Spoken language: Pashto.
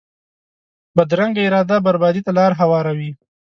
بدرنګه اراده بربادي ته لار هواروي